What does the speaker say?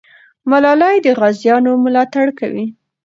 ملالۍ د غازیانو ملاتړ کوي.